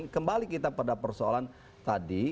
kembali kita pada persoalan tadi